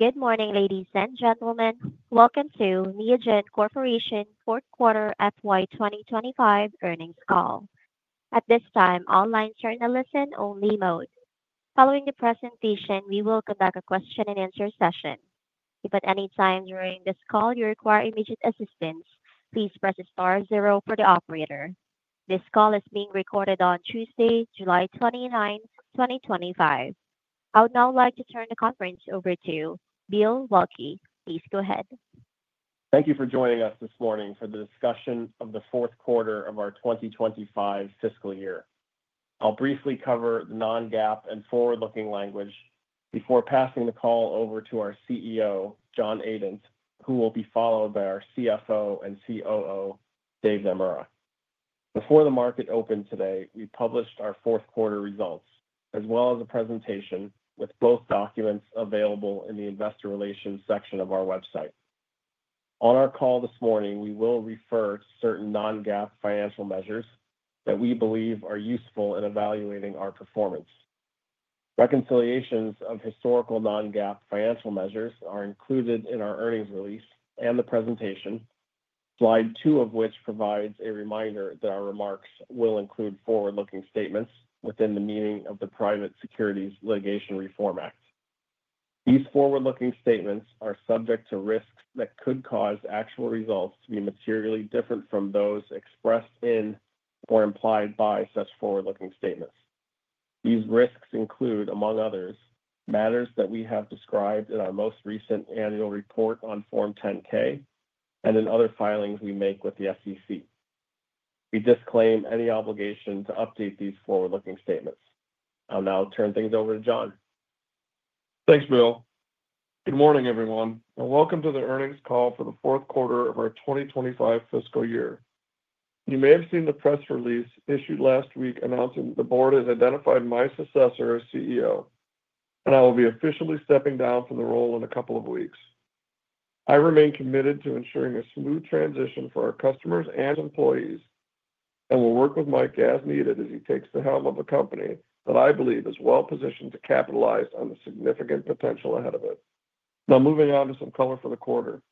Good morning, ldies and gentlemen. Welcome to Neogen Corporation's fourth quarter FY 2025 earnings call. At this time, all lines are in listen-only mode. Following the presentation, we will conduct a question and answer session. If at any time during this call you require immediate assistance, please press star zero for the operator. This call is being recorded on Tuesday, July 29, 2025. I would now like to turn the conference over to Bill Waelke. Please go ahead. Thank you for joining us this morning for the discussion of the fourth quarter of our 2025 fiscal year. I'll briefly cover the non-GAAP and forward-looking language before passing the call over to our CEO, John Adent, who will be followed by our CFO and COO, Dave Naemura. Before the market opened today, we published our fourth quarter results, as well as a presentation with both documents available in the investor relations section of our website. On our call this morning, we will refer to certain non-GAAP financial measures that we believe are useful in evaluating our performance. Reconciliations of historical non-GAAP financial measures are included in our earnings release and the presentation, slide two of which provides a reminder that our remarks will include forward-looking statements within the meaning of the Private Securities Litigation Reform Act. These forward-looking statements are subject to risks that could cause actual results to be materially different from those expressed in or implied by such forward-looking statements. These risks include, among others, matters that we have described in our most recent annual report on Form 10-K and in other filings we make with the SEC. We disclaim any obligation to update these forward-looking statements. I'll now turn things over to John. Thanks, Bill. Good morning, everyone, and welcome to the earnings call for the fourth quarter of our 2025 fiscal year. You may have seen the press release issued last week announcing that the board has identified my successor as CEO, and I will be officially stepping down from the role in a couple of weeks. I remain committed to ensuring a smooth transition for our customers and employees, and will work with Mike as needed as he takes the helm of a company that I believe is well-positioned to capitalize on the significant potential ahead of it. Now, moving on to some color for the quarter.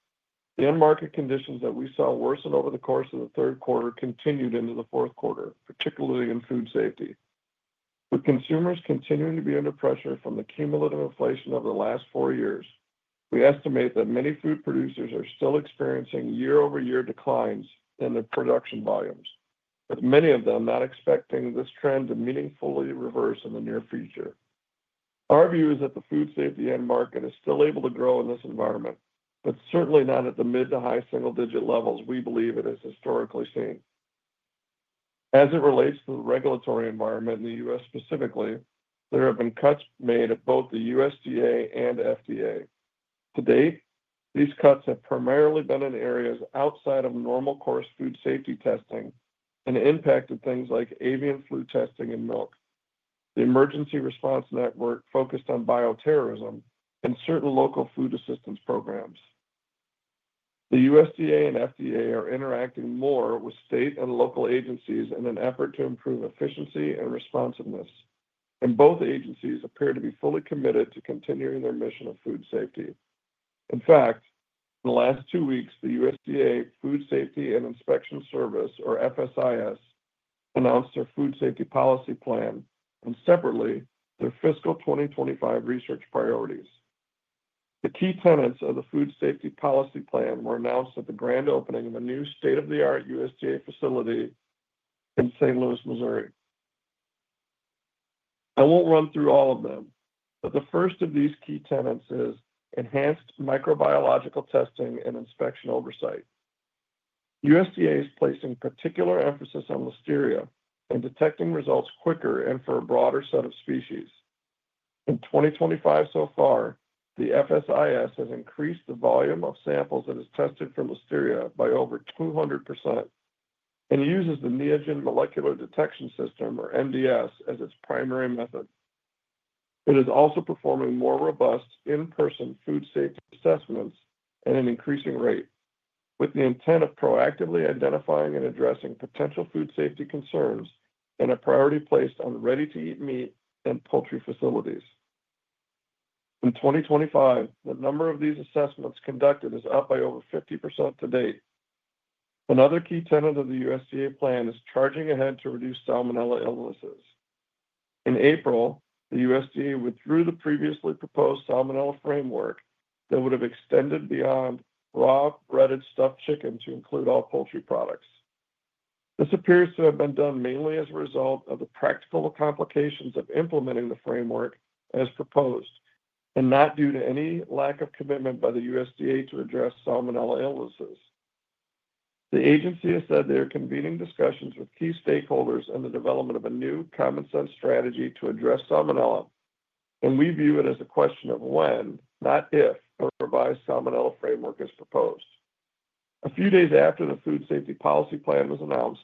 The end market conditions that we saw worsen over the course of the third quarter continued into the fourth quarter, particularly in food safety. With consumers continuing to be under pressure from the cumulative inflation over the last four years, we estimate that many food producers are still experiencing year-over-year declines in their production volumes, with many of them not expecting this trend to meaningfully reverse in the near future. Our view is that the food safety end market is still able to grow in this environment, but certainly not at the mid to high single-digit levels we believe it has historically seen. As it relates to the regulatory environment in the U.S. specifically, there have been cuts made at both the USDA and FDA. To date, these cuts have primarily been in areas outside of normal course food safety testing and impacted things like avian flu testing in milk, the emergency response network focused on bioterrorism, and certain local food assistance programs. The USDA and FDA are interacting more with state and local agencies in an effort to improve efficiency and responsiveness, and both agencies appear to be fully committed to continuing their mission of food safety. In fact, in the last two weeks, the USDA Food Safety and Inspection Service, or FSIS, announced their food safety policy plan and separately their fiscal 2025 research priorities. The key tenets of the food safety policy plan were announced at the grand opening of a new state-of-the-art USDA facility in St. Louis, Missouri. I won't run through all of them, but the first of these key tenets is enhanced microbiological testing and inspection oversight. USDA is placing particular emphasis on listeria and detecting results quicker and for a broader set of species. In 2025 so far, the USDA Food Safety and Inspection Service FSIS has increased the volume of samples that is tested for listeria by over 200% and uses the Neogen Molecular Detection System, or MDS, as its primary method. It is also performing more robust in-person food safety assessments at an increasing rate, with the intent of proactively identifying and addressing potential food safety concerns and a priority placed on ready-to-eat meat and poultry facilities. In 2025, the number of these assessments conducted is up by over 50% to date. Another key tenet of the USDA plan is charging ahead to reduce salmonella illnesses. In April, the USDA withdrew the previously proposed salmonella framework that would have extended beyond raw breaded stuffed chicken to include all poultry products. This appears to have been done mainly as a result of the practical complications of implementing the framework as proposed and not due to any lack of commitment by the USDA to address salmonella illnesses. The agency has said they are convening discussions with key stakeholders on the development of a new common sense strategy to address salmonella, and we view it as a question of when, not if, a revised salmonella framework is proposed. A few days after the food safety policy plan was announced,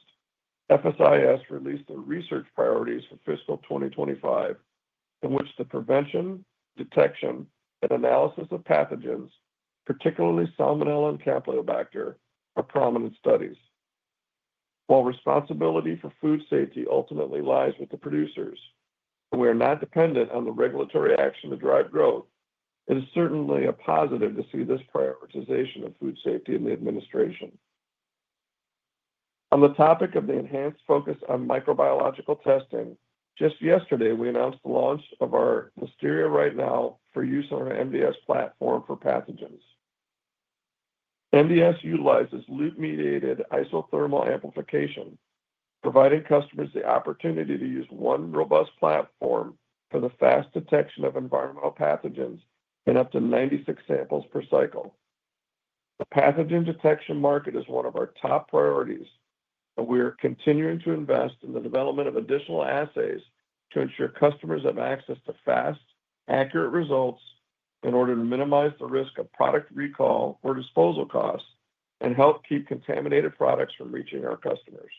FSIS released their research priorities for fiscal 2025, in which the prevention, detection, and analysis of pathogens, particularly salmonella and campylobacter, are prominent studies. While responsibility for food safety ultimately lies with the producers, we are not dependent on the regulatory action to drive growth. It is certainly a positive to see this prioritization of food safety in the administration. On the topic of the enhanced focus on microbiological testing, just yesterday we announced the launch of our Listeria Right Now for use on our MDS platform for pathogens. MDS utilizes loop-mediated isothermal amplification, providing customers the opportunity to use one robust platform for the fast detection of environmental pathogens in up to 96 samples per cycle. The pathogen detection market is one of our top priorities, and we are continuing to invest in the development of additional assays to ensure customers have access to fast, accurate results in order to minimize the risk of product recall or disposal costs and help keep contaminated products from reaching our customers.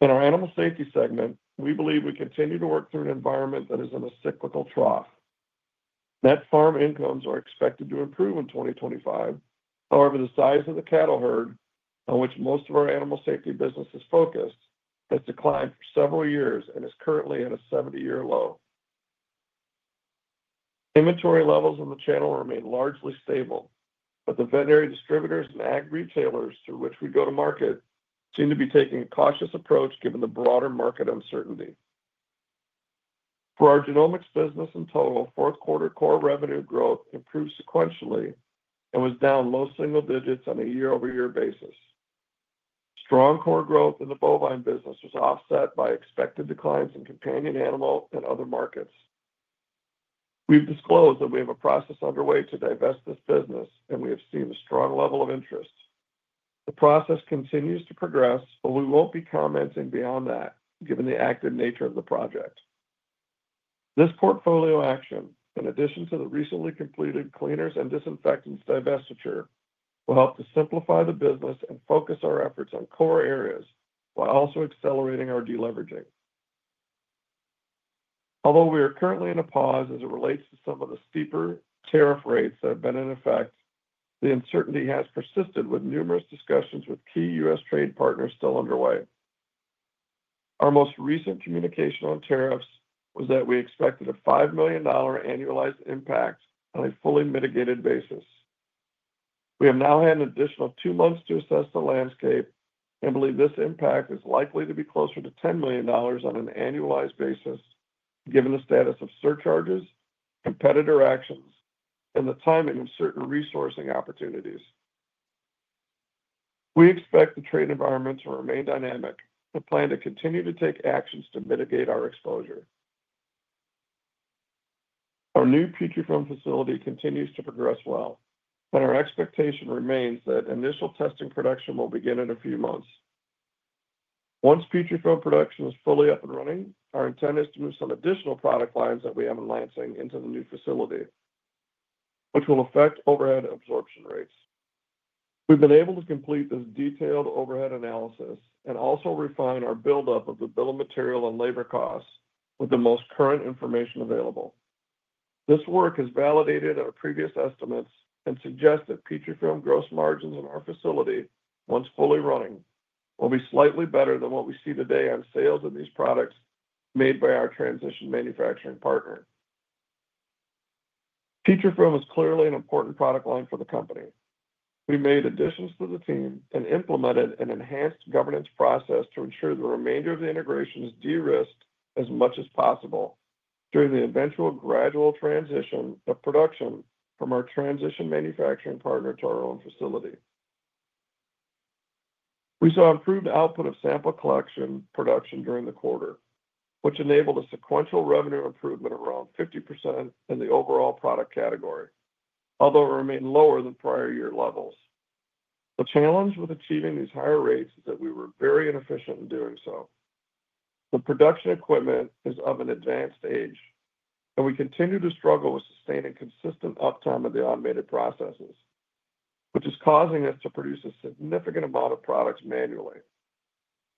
In our animal safety segment, we believe we continue to work through an environment that is in a cyclical trough. Net farm incomes are expected to improve in 2025. However, the size of the cattle herd, on which most of our animal safety business is focused, has declined for several years and is currently at a 70-year low. Inventory levels in the channel remain largely stable, but the veterinary distributors and ag retailers through which we go to market seem to be taking a cautious approach given the broader market uncertainty. For our genomics business in total, fourth quarter core revenue growth improved sequentially and was down low single digits on a year-over-year basis. Strong core growth in the bovine business was offset by expected declines in companion animal and other markets. We've disclosed that we have a process underway to divest this business, and we have seen a strong level of interest. The process continues to progress, but we won't be commenting beyond that given the active nature of the project. This portfolio action, in addition to the recently completed Cleaners and Disinfectants divestiture, will help to simplify the business and focus our efforts on core areas while also accelerating our deleveraging. Although we are currently in a pause as it relates to some of the steeper tariff rates that have been in effect, the uncertainty has persisted with numerous discussions with key U.S. trade partners still underway. Our most recent communication on tariffs was that we expected a $5 million annualized impact on a fully mitigated basis. We have now had an additional two months to assess the landscape and believe this impact is likely to be closer to $10 million on an annualized basis, given the status of surcharges, competitor actions, and the timing of certain resourcing opportunities. We expect the trade environment to remain dynamic and plan to continue to take actions to mitigate our exposure. Our new Petrifilm facility continues to progress well, and our expectation remains that initial testing production will begin in a few months. Once Petrifilm production is fully up and running, our intent is to move some additional product lines that we have in Lansing into the new facility, which will affect overhead absorption rates. We've been able to complete this detailed overhead analysis and also refine our buildup of the bill of material and labor costs with the most current information available. This work has validated our previous estimates and suggests that Petrifilm gross margins in our facility, once fully running, will be slightly better than what we see today on sales of these products made by our transition manufacturing partner. Petrifilm is clearly an important product line for the company. We made additions to the team and implemented an enhanced governance process to ensure the remainder of the integration is de-risked as much as possible during the eventual gradual transition of production from our transition manufacturing partner to our own facility. We saw improved output of sample collection production during the quarter, which enabled a sequential revenue improvement of around 50% in the overall product category, although it remained lower than prior year levels. The challenge with achieving these higher rates is that we were very inefficient in doing so. The production equipment is of an advanced age, and we continue to struggle with sustaining consistent uptime of the automated processes, which is causing us to produce a significant amount of products manually.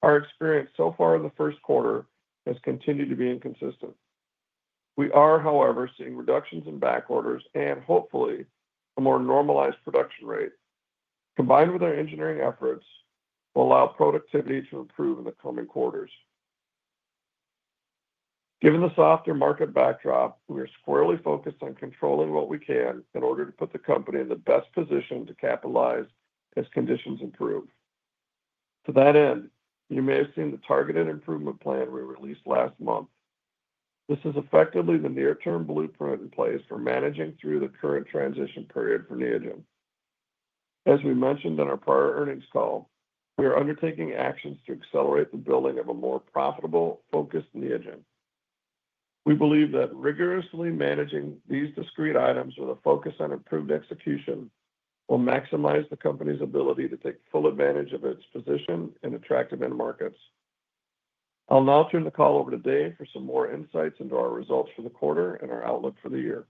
Our experience so far in the first quarter has continued to be inconsistent. We are, however, seeing reductions in backorders, and hopefully a more normalized production rate, combined with our engineering efforts, will allow productivity to improve in the coming quarters. Given the softer market backdrop, we are squarely focused on controlling what we can in order to put the company in the best position to capitalize as conditions improve. To that end, you may have seen the targeted improvement plan we released last month. This is effectively the near-term blueprint in place for managing through the current transition period for Neogen. As we mentioned in our prior earnings call, we are undertaking actions to accelerate the building of a more profitable, focused Neogen. We believe that rigorously managing these discrete items with a focus on improved execution will maximize the company's ability to take full advantage of its position in attractive end markets. I'll now turn the call over to Dave for some more insights into our results for the quarter and our outlook for the year.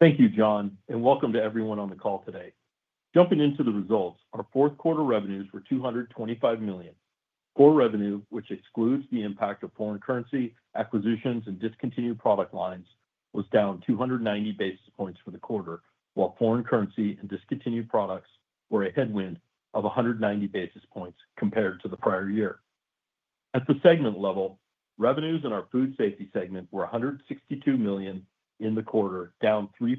Thank you, John, and welcome to everyone on the call today. Jumping into the results, our fourth quarter revenues were $225 million. Core revenue, which excludes the impact of foreign currency, acquisitions, and discontinued product lines, was down 290 basis points for the quarter, while foreign currency and discontinued products were a headwind of 190 basis points compared to the prior year. At the segment level, revenues in our Food Safety segment were $162 million in the quarter, down 3%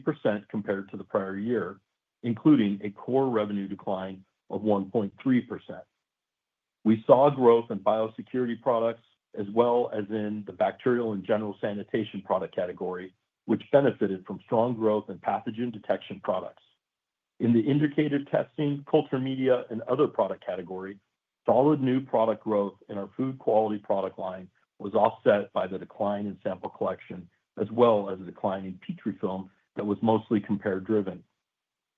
compared to the prior year, including a core revenue decline of 1.3%. We saw growth in biosecurity products, as well as in the bacterial and General Sanitation Products category, which benefited from strong growth in pathogen detection products. In the indicative testing, Culture Media, and other product categories, solid new product growth in our Food Quality Products line was offset by the decline in sample collection, as well as a decline in Petrifilm that was mostly compare-driven.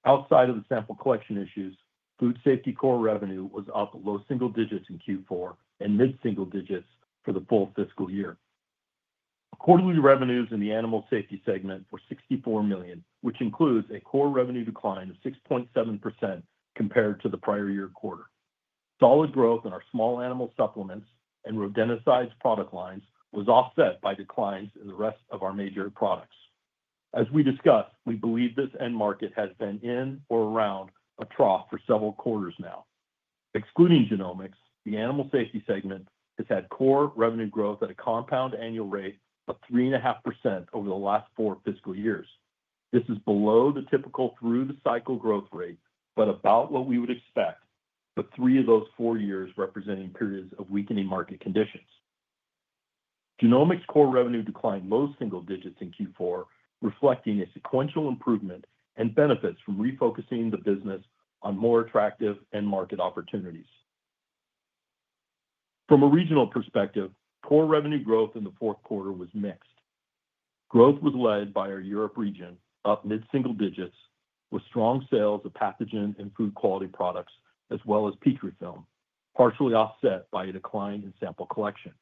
Outside of the sample collection issues, Food Safety core revenue was up low single digits in Q4 and mid-single digits for the full fiscal year. Quarterly revenues in the Animal Safety segment were $64 million, which includes a core revenue decline of 6.7% compared to the prior year quarter. Solid growth in our small animal supplements and Rodent Control Products lines was offset by declines in the rest of our major products. As we discussed, we believe this end market has been in or around a trough for several quarters now. Excluding genomics, the Animal Safety segment has had core revenue growth at a compound annual rate of 3.5% over the last four fiscal years. This is below the typical through-the-cycle growth rate, but about what we would expect for three of those four years, representing periods of weakening market conditions. Genomics core revenue declined most single digits in Q4, reflecting a sequential improvement and benefits from refocusing the business on more attractive end market opportunities. From a regional perspective, core revenue growth in the fourth quarter was mixed. Growth was led by our Europe region, up mid-single digits, with strong sales of Pathogen and Food Quality Products, as well as Petrifilm, partially offset by a decline in sample collection.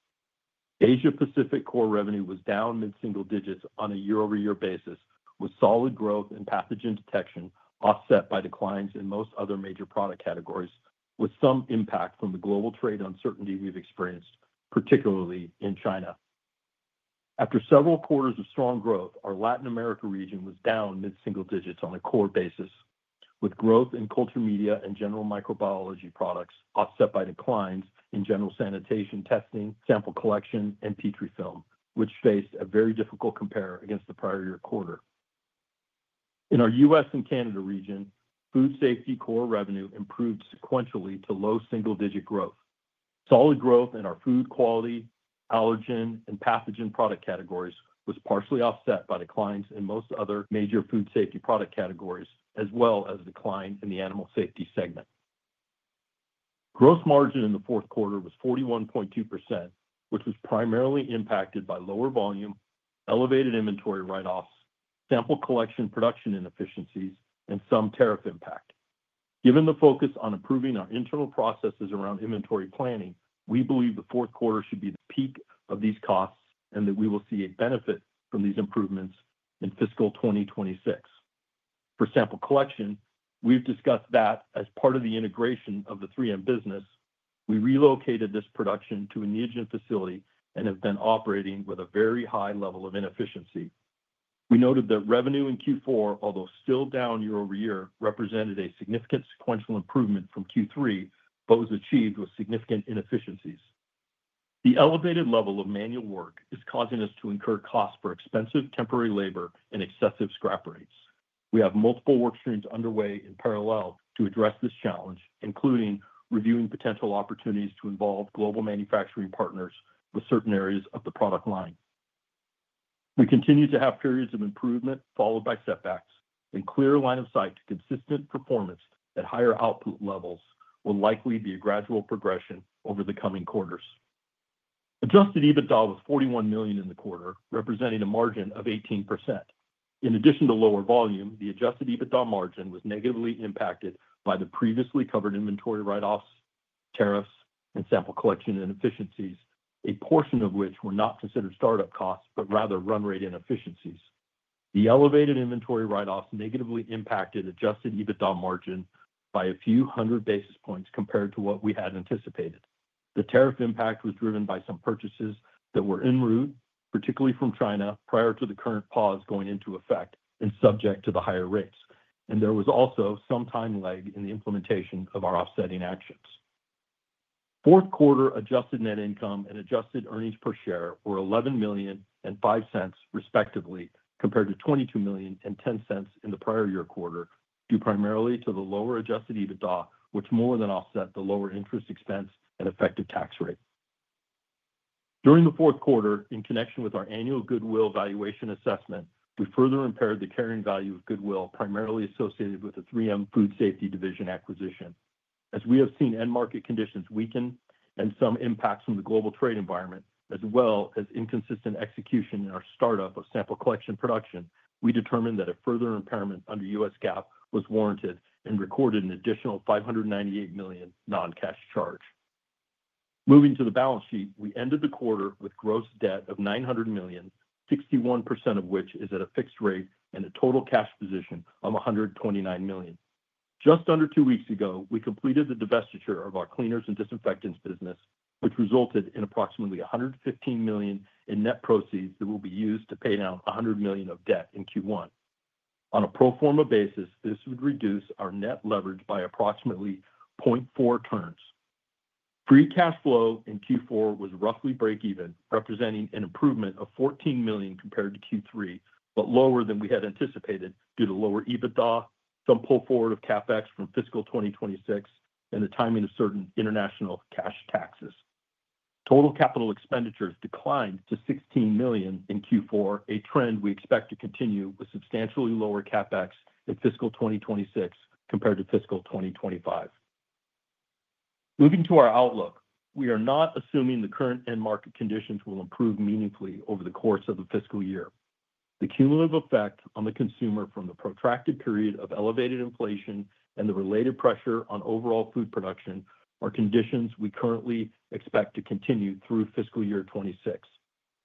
Asia-Pacific core revenue was down mid-single digits on a year-over-year basis, with solid growth in pathogen detection offset by declines in most other major product categories, with some impact from the global trade uncertainty we've experienced, particularly in China. After several quarters of strong growth, our Latin America region was down mid-single digits on a core basis, with growth in culture media and general microbiology products offset by declines in general sanitation testing, sample collection, and Petrifilm, which faced a very difficult compare against the prior year quarter. In our U.S. and Canada region, food safety core revenue improved sequentially to low single-digit growth. Solid growth in our food quality, allergen, and pathogen product categories was partially offset by declines in most other major food safety product categories, as well as a decline in the animal safety segment. Gross margin in the fourth quarter was 41.2%, which was primarily impacted by lower volume, elevated inventory write-offs, sample collection production inefficiencies, and some tariff impact. Given the focus on improving our internal processes around inventory planning, we believe the fourth quarter should be the peak of these costs and that we will see a benefit from these improvements in fiscal 2026. For sample collection, we've discussed that as part of the integration of the 3M Food Safety Division business. We relocated this production to a Neogen facility and have been operating with a very high level of inefficiency. We noted that revenue in Q4, although still down year over year, represented a significant sequential improvement from Q3, but was achieved with significant inefficiencies. The elevated level of manual work is causing us to incur costs for expensive temporary labor and excessive scrap rates. We have multiple work streams underway in parallel to address this challenge, including reviewing potential opportunities to involve global manufacturing partners with certain areas of the product line. We continue to have periods of improvement followed by setbacks, and clear line of sight to consistent performance at higher output levels will likely be a gradual progression over the coming quarters. Adjusted EBITDA was $41 million in the quarter, representing a margin of 18%. In addition to lower volume, the adjusted EBITDA margin was negatively impacted by the previously covered inventory write-offs, tariffs, and sample collection inefficiencies, a portion of which were not considered startup costs, but rather run rate inefficiencies. The elevated inventory write-offs negatively impacted adjusted EBITDA margin by a few hundred basis points compared to what we had anticipated. The tariff impact was driven by some purchases that were en route, particularly from China, prior to the current pause going into effect and subject to the higher rates. There was also some time lag in the implementation of our offsetting actions. Fourth quarter adjusted net income and adjusted earnings per share were $11.05 million, respectively, compared to $22.10 million in the prior year quarter, due primarily to the lower adjusted EBITDA, which more than offset the lower interest expense and effective tax rate. During the fourth quarter, in connection with our annual goodwill valuation assessment, we further impaired the carrying value of goodwill, primarily associated with the 3M Food Safety Division acquisition. As we have seen end market conditions weaken and some impacts from the global trade environment, as well as inconsistent execution in our startup of sample collection production, we determined that a further impairment under U.S. GAAP was warranted and recorded an additional $598 million non-cash charge. Moving to the balance sheet, we ended the quarter with gross debt of $900 million, 61% of which is at a fixed rate and a total cash position of $129 million. Just under two weeks ago, we completed the divestiture of our Cleaners and Disinfectants business, which resulted in approximately $115 million in net proceeds that will be used to pay down $100 million of debt in Q1. On a pro forma basis, this would reduce our net leverage by approximately 0.4 turns. Free cash flow in Q4 was roughly break-even, representing an improvement of $14 million compared to Q3, but lower than we had anticipated due to lower EBITDA, some pull forward of CapEx from fiscal 2026, and the timing of certain international cash taxes. Total capital expenditures declined to $16 million in Q4, a trend we expect to continue with substantially lower CapEx in fiscal 2026 compared to fiscal 2025. Moving to our outlook, we are not assuming the current end market conditions will improve meaningfully over the course of the fiscal year. The cumulative effect on the consumer from the protracted period of elevated inflation and the related pressure on overall food production are conditions we currently expect to continue through fiscal year 2026.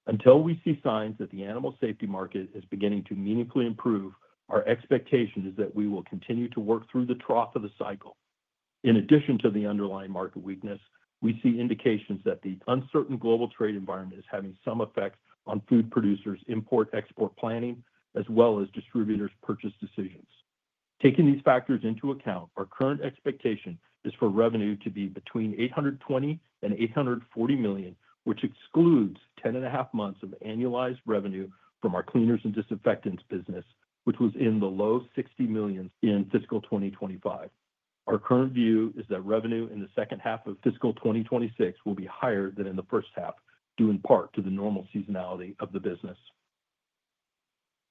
Until we see signs that the animal safety market is beginning to meaningfully improve, our expectation is that we will continue to work through the trough of the cycle. In addition to the underlying market weakness, we see indications that the uncertain global trade environment is having some effect on food producers' import-export planning, as well as distributors' purchase decisions. Taking these factors into account, our current expectation is for revenue to be between $820 million and $840 million, which excludes 10.5 months of annualized revenue from our Cleaners and Disinfectants business, which was in the low $60 million in fiscal 2025. Our current view is that revenue in the second half of fiscal 2026 will be higher than in the first half, due in part to the normal seasonality of the business.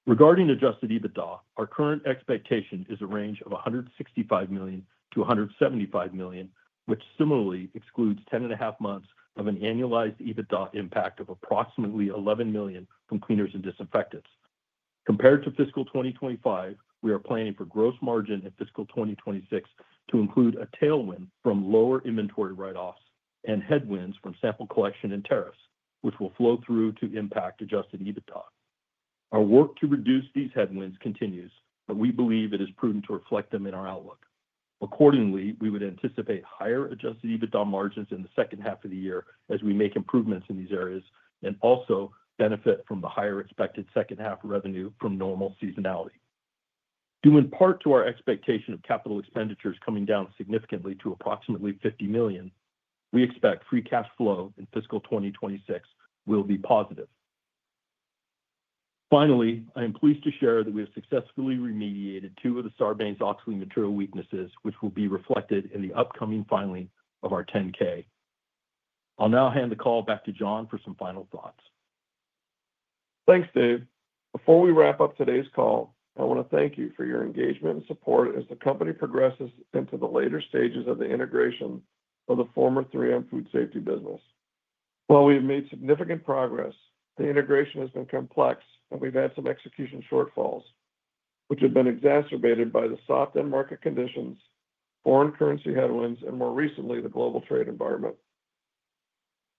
Regarding adjusted EBITDA, our current expectation is a range of $165 million-$175 million, which similarly excludes 10½ months of an annualized EBITDA impact of approximately $11 million from Cleaners and Disinfectants. Compared to fiscal 2025, we are planning for gross margin in fiscal 2026 to include a tailwind from lower inventory write-offs and headwinds from sample collection and tariffs, which will flow through to impact adjusted EBITDA. Our work to reduce these headwinds continues, but we believe it is prudent to reflect them in our outlook. Accordingly, we would anticipate higher adjusted EBITDA margins in the second half of the year as we make improvements in these areas and also benefit from the higher expected second half revenue from normal seasonality. Due in part to our expectation of capital expenditures coming down significantly to approximately $50 million, we expect free cash flow in fiscal 2026 will be positive. Finally, I am pleased to share that we have successfully remediated two of the Sarbanes-Oxley material weaknesses, which will be reflected in the upcoming filing of our 10-K. I'll now hand the call back to John for some final thoughts. Thanks, Dave. Before we wrap up today's call, I want to thank you for your engagement and support as the company progresses into the later stages of the integration of the former 3M Food Safety Buisness. While we've made significant progress, the integration has been complex, and we've had some execution shortfalls, which have been exacerbated by the soft end market conditions, foreign currency headwinds, and more recently, the global trade environment.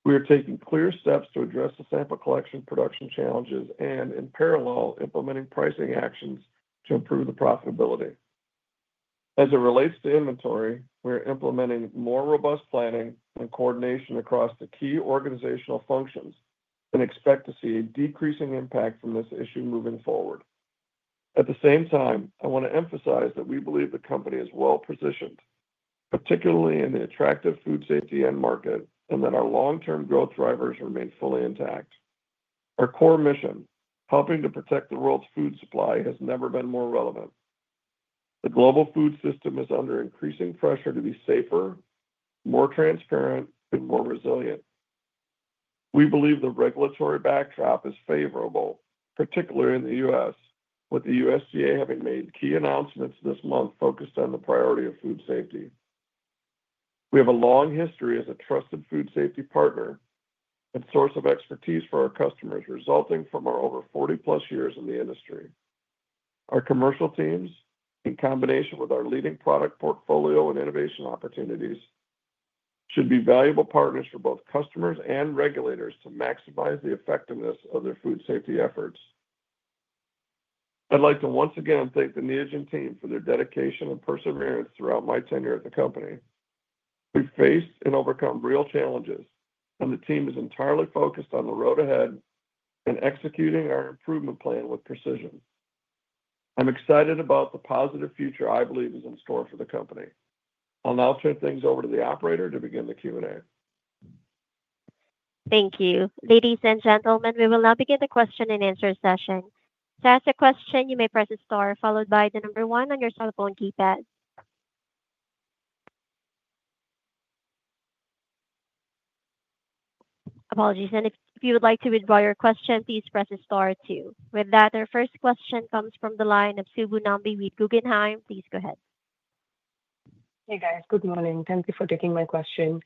We are taking clear steps to address the sample collection production challenges and, in parallel, implementing pricing actions to improve the profitability. As it relates to inventory, we are implementing more robust planning and coordination across the key organizational functions and expect to see a decreasing impact from this issue moving forward. At the same time, I want to emphasize that we believe the company is well positioned, particularly in the attractive food safety end market, and that our long-term growth drivers remain fully intact. Our core mission, helping to protect the world's food supply, has never been more relevant. The global food system is under increasing pressure to be safer, more transparent, and more resilient. We believe the regulatory backdrop is favorable, particularly in the U.S., with the USDA having made key announcements this month focused on the priority of food safety. We have a long history as a trusted food safety partner and source of expertise for our customers, resulting from our over 40+ years in the industry. Our commercial teams, in combination with our leading product portfolio and innovation opportunities, should be valuable partners for both customers and regulators to maximize the effectiveness of their food safety efforts. I'd like to once again thank the Neogen team for their dedication and perseverance throughout my tenure at the company. We've faced and overcome real challenges, and the team is entirely focused on the road ahead and executing our improvement plan with precision. I'm excited about the positive future I believe is in store for the company. I'll now turn things over to the operator to begin the Q&A. Thank you. Ladies and gentlemen, we will now begin the question and answer session. To ask a question, you may press star followed by the number one on your cell phone keypad. If you would like to withdraw your question, please press star two. With that, our first question comes from the line of Subbu Nambi with Guggenheim Securities. Please go ahead. Good morning. Thank you for taking my question.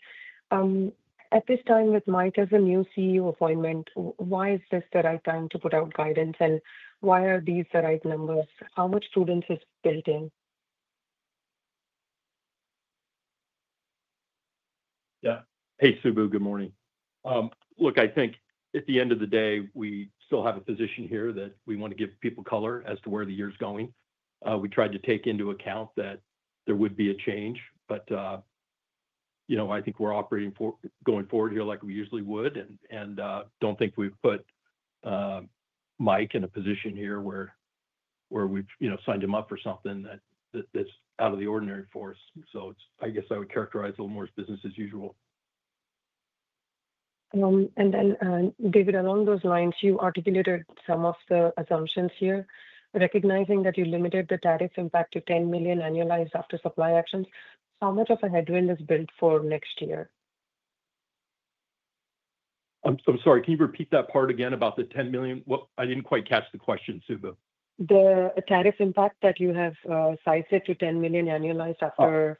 At this time, with Mike as a new CEO appointment, why is this the right time to put out guidance, and why are these the right numbers? How much prudence is built in? Yeah. Hey, Subbu, good morning. I think at the end of the day, we still have a position here that we want to give people color as to where the year is going. We tried to take into account that there would be a change, but I think we're operating for going forward here like we usually would and don't think we've put Mike in a position here where we've signed him up for something that's out of the ordinary for us. I guess I would characterize it a little more as business as usual. David, along those lines, you articulated some of the assumptions here, recognizing that you limited the tariff impact to $10 million annualized after supply actions. How much of a headwind is built for next year? I'm sorry. Can you repeat that part again about the $10 million? I didn't quite catch the question, Subbu. The tariff impact that you have sized it to $10 million annualized after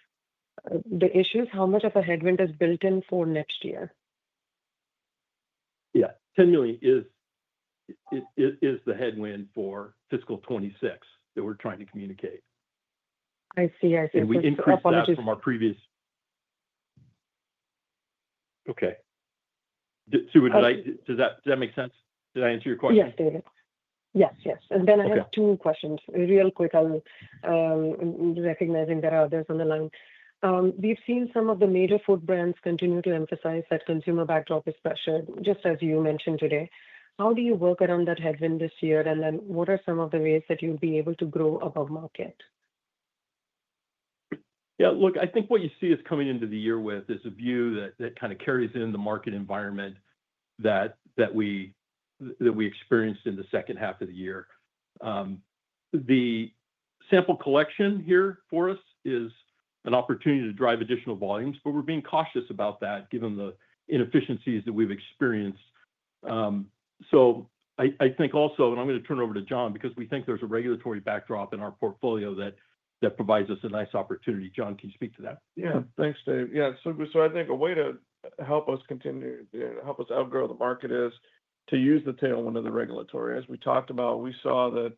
the issues, how much of a headwind is built-in for next year? Yeah, $10 million is the headwind for fiscal 2026 that we're trying to communicate. I see. I see. We increased that from our previous. Okay, does that make sense? Did I answer your question? Yes, David. I have two questions. Real quick, I'll recognize that there are others on the line. We've seen some of the major food brands continue to emphasize that consumer backdrop is pressured, just as you mentioned today. How do you work around that headwind this year, and what are some of the ways that you'll be able to grow above market? Yeah. Look, I think what you see us coming into the year with is a view that kind of carries in the market environment that we experienced in the second half of the year. The sample collection here for us is an opportunity to drive additional volumes, but we're being cautious about that given the inefficiencies that we've experienced. I think also, and I'm going to turn over to John because we think there's a regulatory backdrop in our portfolio that provides us a nice opportunity. John, can you speak to that? Yeah. Thanks, Dave. I think a way to help us continue, help us outgrow the market is to use the tailwind of the regulatory. As we talked about, we saw that,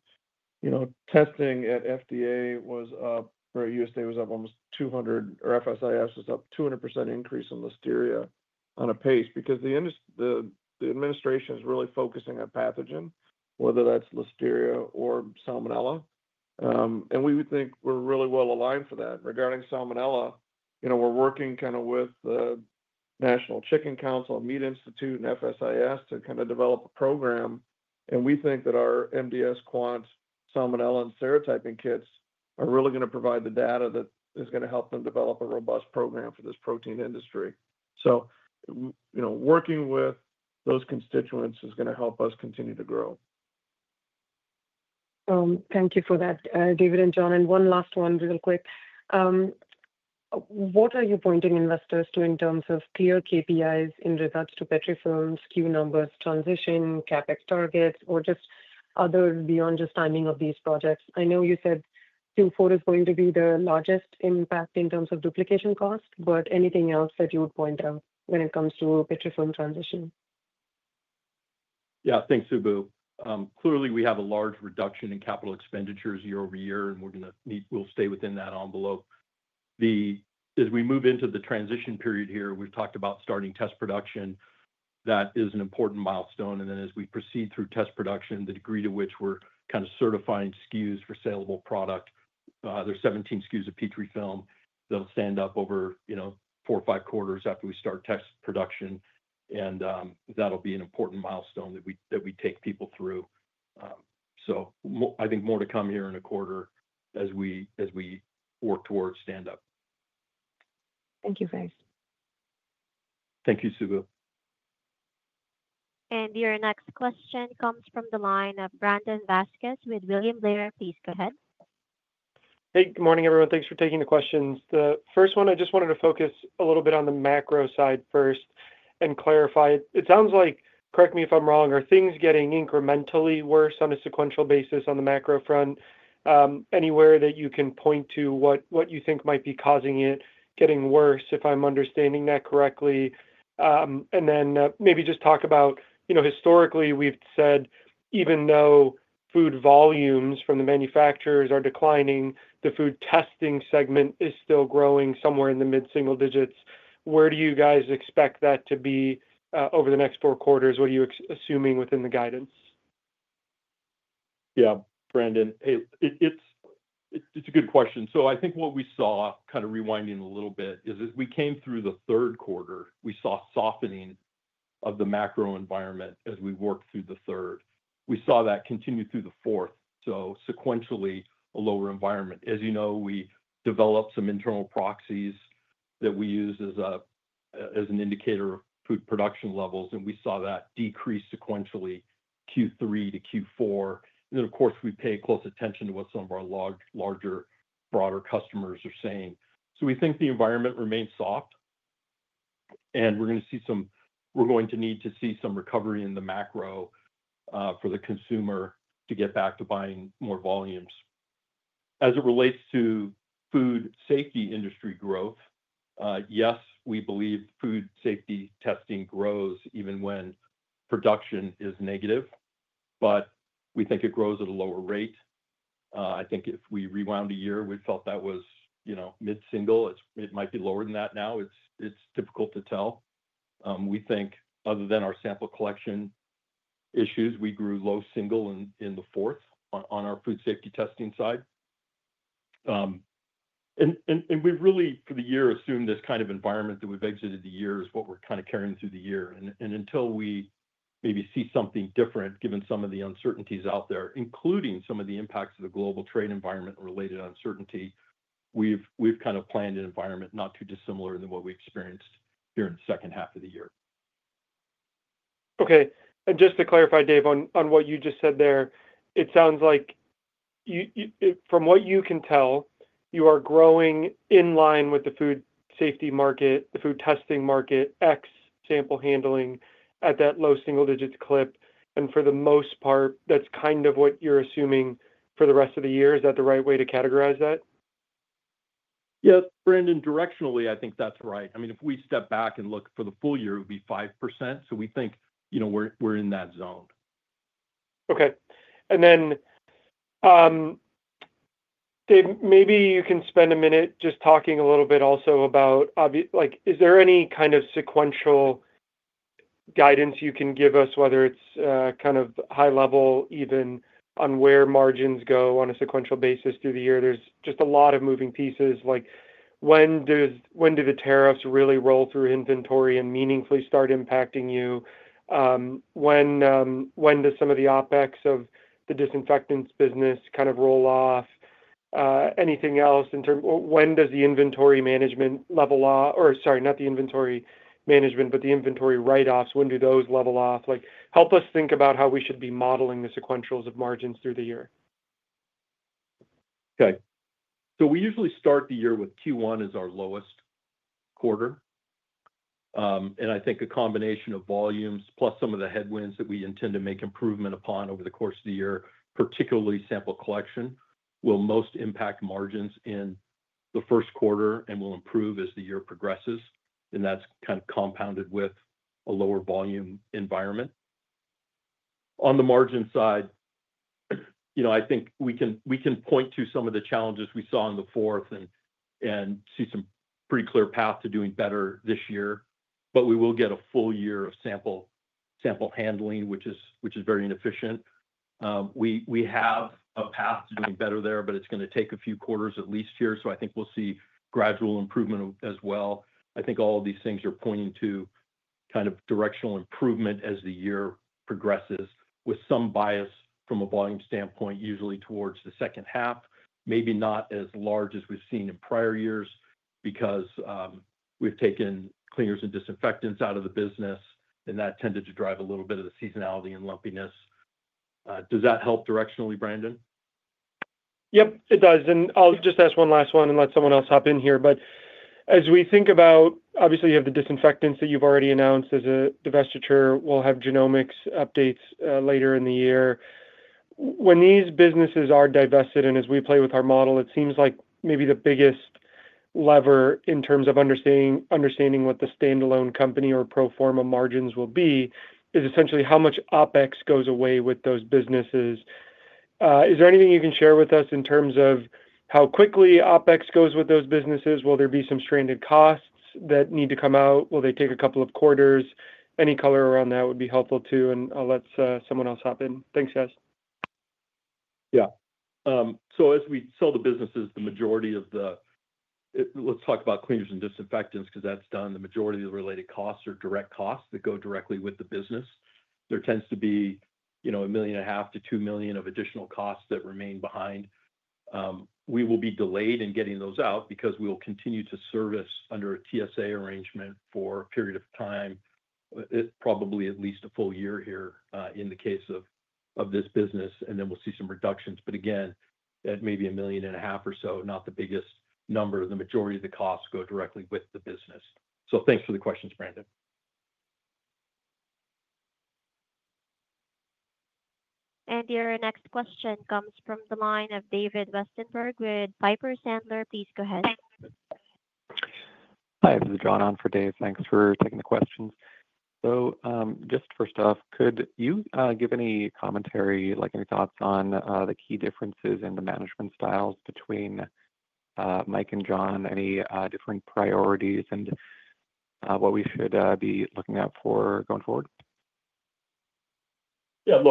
you know, testing at FDA was up, or USDA was up almost 200, or FSIS was up 200% increase in listeria on a pace because the administration is really focusing on pathogen, whether that's listeria or salmonella. We would think we're really well aligned for that. Regarding salmonella, you know, we're working kind of with the National Chicken Council and Meat Institute and FSIS to kind of develop a program. We think that our MDS Quant salmonella and serotyping kits are really going to provide the data that is going to help them develop a robust program for this protein industry. You know, working with those constituents is going to help us continue to grow. Thank you for that, David and John. One last one real quick. What are you pointing investors to in terms of clear KPIs in regards to Petrifilm, Q numbers, transition, CapEx targets, or just other beyond just timing of these projects? I know you said Q4 is going to be the largest impact in terms of duplication costs, but anything else that you would point out when it comes to Petrifilm transition? Yeah. Thanks, Subbu. Clearly, we have a large reduction in capital expenditures year over year, and we're going to need, we'll stay within that envelope. As we move into the transition period here, we've talked about starting test production. That is an important milestone. As we proceed through test production, the degree to which we're certifying SKUs for saleable product, there's 17 SKUs of Petrifilm that'll stand up over four or five quarters after we start test production. That'll be an important milestone that we take people through. I think more to come here in a quarter as we work towards standup. Thank you, guys. Thank you, Subbu. Your next question comes from the line of Brandon Vazquez with William Blair. Please go ahead. Hey, good morning, everyone. Thanks for taking the questions. The first one, I just wanted to focus a little bit on the macro side first and clarify it. It sounds like, correct me if I'm wrong, are things getting incrementally worse on a sequential basis on the macro front? Anywhere that you can point to what you think might be causing it getting worse, if I'm understanding that correctly. Maybe just talk about, you know, historically, we've said even though food volumes from the manufacturers are declining, the food testing segment is still growing somewhere in the mid-single digits. Where do you guys expect that to be over the next four quarters? What are you assuming within the guidance? Yeah, Brandon. Hey, it's a good question. I think what we saw, kind of rewinding a little bit, is that we came through the third quarter. We saw softening of the macro environment as we worked through the third. We saw that continue through the fourth. Sequentially, a lower environment. As you know, we developed some internal proxies that we use as an indicator of food production levels, and we saw that decrease sequentially Q3-Q4. Of course, we pay close attention to what some of our larger, broader customers are saying. We think the environment remains soft, and we're going to need to see some recovery in the macro for the consumer to get back to buying more volumes. As it relates to food safety industry growth, yes, we believe food safety testing grows even when production is negative, but we think it grows at a lower rate. I think if we rewound a year, we felt that was, you know, mid-single. It might be lower than that now. It's difficult to tell. We think other than our sample collection issues, we grew low single in the fourth on our food safety testing side. For the year, we've really assumed this kind of environment that we've exited the year is what we're kind of carrying through the year. Until we maybe see something different, given some of the uncertainties out there, including some of the impacts of the global trade environment and related uncertainty, we've kind of planned an environment not too dissimilar than what we experienced here in the second half of the year. Okay. Just to clarify, Dave, on what you just said there, it sounds like from what you can tell, you are growing in line with the food safety market, the food testing market, ex-sample handling at that low single digits clip. For the most part, that's kind of what you're assuming for the rest of the year. Is that the right way to categorize that? Yeah, Brandon, directionally, I think that's right. I mean, if we step back and look for the full year, it would be 5%. We think we're in that zone. Okay. Dave, maybe you can spend a minute just talking a little bit also about, obviously, is there any kind of sequential guidance you can give us, whether it's kind of high level, even on where margins go on a sequential basis through the year? There's just a lot of moving pieces. Like when do the tariffs really roll through inventory and meaningfully start impacting you? When does some of the OpEx of the disinfectants business kind of roll off? Anything else in terms of when does the inventory write-offs, when do those level off? Help us think about how we should be modeling the sequentials of margins through the year. Okay. We usually start the year with Q1 as our lowest quarter. I think a combination of volumes plus some of the headwinds that we intend to make improvement upon over the course of the year, particularly sample collection, will most impact margins in the first quarter and will improve as the year progresses. That is kind of compounded with a lower volume environment. On the margin side, I think we can point to some of the challenges we saw in the fourth and see a pretty clear path to doing better this year. We will get a full year of sample handling, which is very inefficient. We have a path to doing better there, but it's going to take a few quarters at least here. I think we'll see gradual improvement as well. I think all of these things are pointing to directional improvement as the year progresses with some bias from a volume standpoint, usually towards the second half. Maybe not as large as we've seen in prior years because we've taken Cleaners and Disinfectants out of the business, and that tended to drive a little bit of the seasonality and lumpiness. Does that help directionally, Brandon? Yes, it does. I'll just ask one last one and let someone else hop in here. As we think about, obviously, you have the disinfectants that you've already announced as a divestiture. We'll have genomics updates later in the year. When these businesses are divested, and as we play with our model, it seems like maybe the biggest lever in terms of understanding what the standalone company or pro forma margins will be is essentially how much OpEx goes away with those businesses. Is there anything you can share with us in terms of how quickly OpEx goes with those businesses? Will there be some stranded costs that need to come out? Will they take a couple of quarters? Any color around that would be helpful too. I'll let someone else hop in. Thanks, guys. Yeah. As we sell the businesses, the majority of the, let's talk about Cleaners and Disinfectants because that's done. The majority of the related costs are direct costs that go directly with the business. There tends to be $1.5 million to $2 million of additional costs that remain behind. We will be delayed in getting those out because we will continue to service under a TSA arrangement for a period of time, probably at least a full year here in the case of this business. We'll see some reductions, at maybe $1.5 million or so, not the biggest number. The majority of the costs go directly with the business. Thanks for the questions, Brandon. Your next question comes from the line of David Westenberg with Piper Sandler. Please go ahead. Hi, this is John on for Dave. Thanks for taking the questions. Just first off, could you give any commentary, like any thoughts on the key differences in the management styles between Mike and John, any different priorities, and what we should be looking out for going forward? Yeah,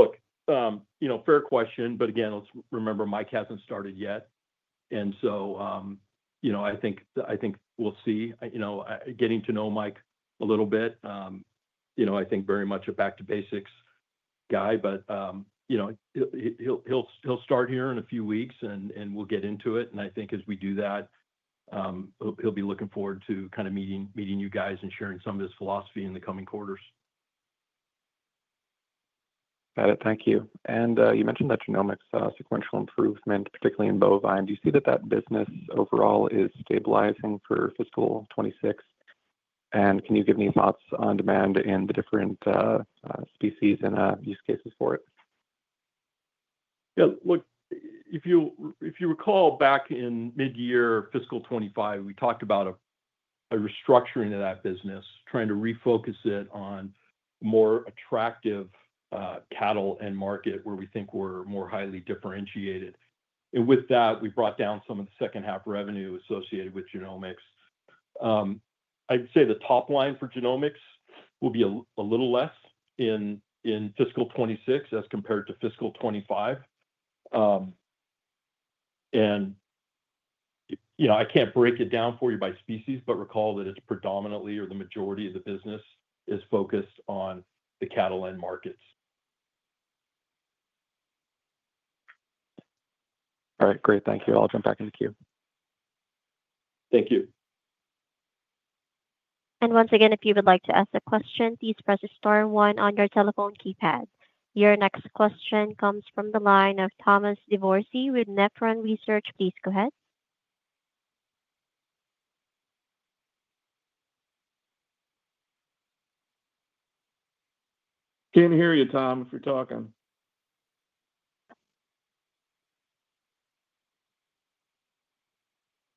fair question, but again, let's remember Mike hasn't started yet. I think we'll see. Getting to know Mike a little bit, I think very much a back-to-basics guy, but he'll start here in a few weeks and we'll get into it. I think as we do that, he'll be looking forward to kind of meeting you guys and sharing some of his philosophy in the coming quarters. Got it. Thank you. You mentioned that genomics sequential improvement, particularly in bovine. Do you see that that business overall is stabilizing for fiscal 2026? Can you give me thoughts on demand in the different species and use cases for it? Yeah, if you recall back in mid-year fiscal 2025, we talked about a restructuring of that business, trying to refocus it on a more attractive cattle end market where we think we're more highly differentiated. With that, we brought down some of the second half revenue associated with genomics. I'd say the top line for genomics will be a little less in fiscal 2026 as compared to fiscal 2025. I can't break it down for you by species, but recall that it's predominantly or the majority of the business is focused on the cattle end markets. All right. Great. Thank you. I'll jump back into queue. Thank you. If you would like to ask a question, please press star one on your telephone keypad. Your next question comes from the line of Thomas DeBourcy with Nephron Research. Please go ahead. Can't hear you, Tom, if you're talking.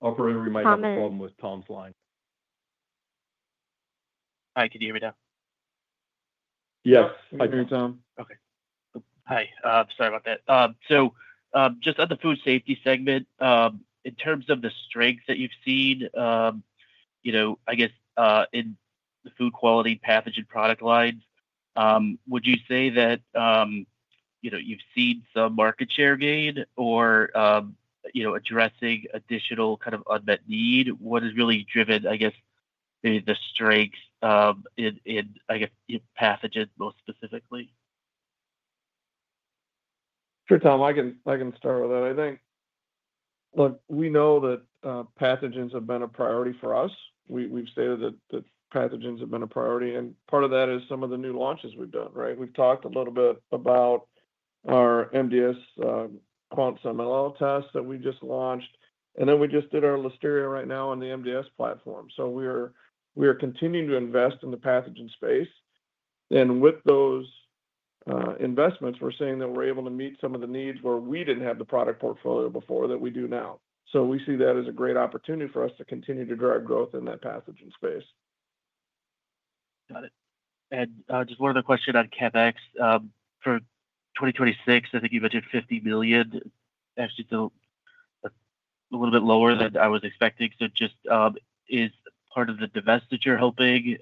Operator, we might have a problem with Thomas DeBourcy's line. Hi, can you hear me now? Yes, I can hear you, Tom. Okay. Sorry about that. Just at the Food Safety segment, in terms of the strengths that you've seen, in the Food Quality Pathogen product line, would you say that you've seen some market share gain or addressing additional kind of unmet need? What has really driven the strengths in pathogens most specifically? Sure, Tom. I can start with that. I think, look, we know that pathogens have been a priority for us. We've stated that pathogens have been a priority, and part of that is some of the new launches we've done, right? We've talked a little bit about our MDS Quant salmonella test that we just launched, and then we just did our Listeria Right Now on the Molecular Detection System platform. We are continuing to invest in the pathogen space. With those investments, we're saying that we're able to meet some of the needs where we didn't have the product portfolio before that we do now. We see that as a great opportunity for us to continue to drive growth in that pathogen space. Got it. Just one other question on CapEx. For 2026, I think you mentioned $50 million. Actually, it's a little bit lower than I was expecting. Is part of the divestiture hoping,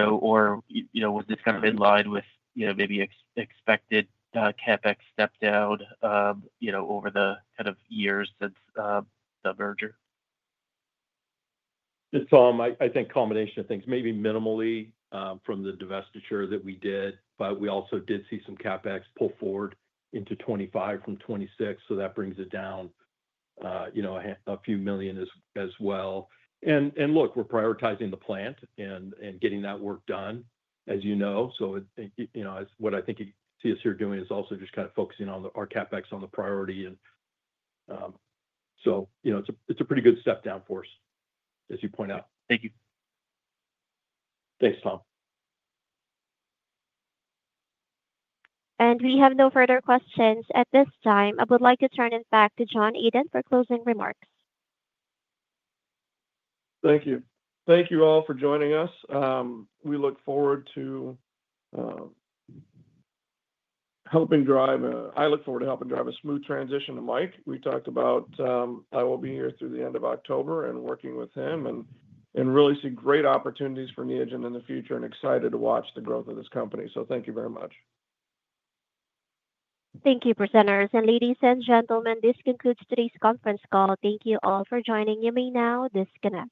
or was this kind of in line with maybe expected CapEx step down over the years since the merger? It's all, I think, a combination of things. Maybe minimally from the divestiture that we did, but we also did see some CapEx pull forward into 2025 from 2026. That brings it down a few million as well. We're prioritizing the plant and getting that work done, as you know. What I think you see us here doing is also just kind of focusing on our CapEx on the priority. It's a pretty good step down for us, as you point out. Thank you. Thanks, Tom. We have no further questions at this time. I would like to turn it back to John Adent for closing remarks. Thank you. Thank you all for joining us. I look forward to helping drive a smooth transition to Mike. I will be here through the end of October and working with him and really see great opportunities for Neogen in the future and excited to watch the growth of this company. Thank you very much. Thank you, presenters. Ladies and gentlemen, this concludes today's conference call. Thank you all for joining. You may now disconnect.